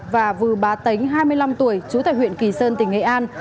và vư bá tánh hai mươi năm tuổi trú tại huyện kỳ sơn tỉnh nghệ an